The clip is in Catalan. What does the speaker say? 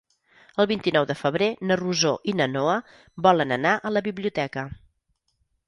El vint-i-nou de febrer na Rosó i na Noa volen anar a la biblioteca.